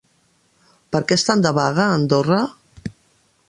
Per què estan de vaga a Andorra?